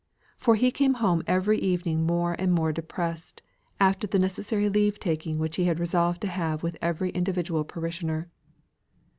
For he came home every evening more and more depressed, after the necessary leave taking which he had resolved to have with every individual parishioner.